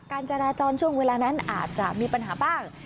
การจราจรช่วงเวลานั้นอาจจะมีปัญหาบ้าง